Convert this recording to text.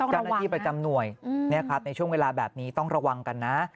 เจ้าหน้าที่ประจำหน่วยในช่วงเวลาแบบนี้ต้องระวังกันนะ